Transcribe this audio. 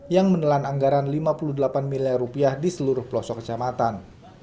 yang menelan anggaran lima puluh delapan miliar rupiah di seluruh pelosok kecamatan